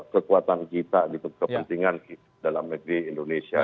kekuatan kita gitu kepentingan dalam negeri indonesia